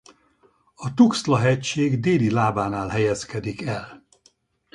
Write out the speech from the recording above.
A Tuxtla-hegység déli lábánál helyezkedik el.